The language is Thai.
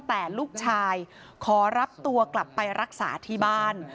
แต่ลูกชายขอรับตัวกลับไปรักษาที่บ้าน